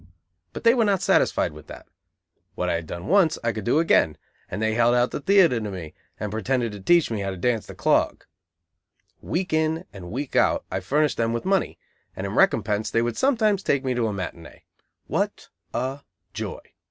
But they were not satisfied with that. What I had done once, I could do again, and they held out the theatre to me, and pretended to teach me how to dance the clog. Week in and week out I furnished them with money, and in recompense they would sometimes take me to a matinée. What a joy!